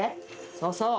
そうそう！